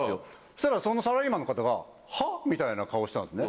そしたらそのサラリーマンの方が「は？」みたいな顔をしたんですね。